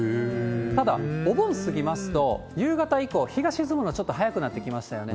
ただ、お盆過ぎますと、夕方以降、日が沈むの、ちょっと早くなってきましたよね。